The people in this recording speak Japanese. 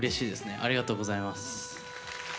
ありがとうございます。